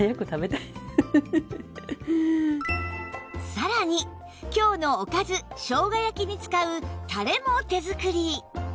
さらに今日のおかず生姜焼きに使うたれも手作り